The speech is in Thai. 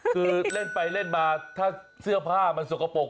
คือเล่นไปเล่นมาถ้าเสื้อผ้ามันสกปรก